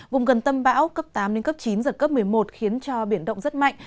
vùng gần tâm bão cấp tám chín giật cấp một mươi một khiến cho biển động rất mạnh